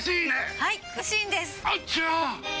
はい。